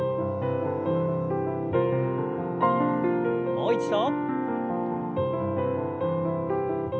もう一度。